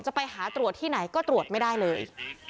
ไปหาตรวจที่ไหนก็ตรวจไม่ได้เลย